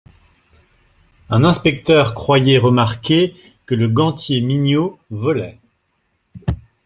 Un inspecteur croyait remarquer que le gantier Mignot volait.